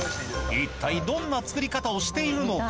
一体どんな作り方をしているのか？